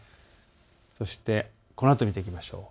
そしてこのあと見ていきましょう。